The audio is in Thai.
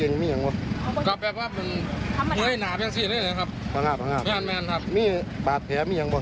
ละเบิ้งเป็นอย่างไรบัง